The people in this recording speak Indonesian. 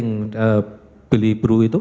yang beli brew itu